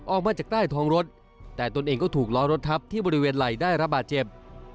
ออกมาจากใต้ท้องรถแต่ตนเองก็ถูกล้อรถทับที่บริเวณไหล่ได้ระบาดเจ็บ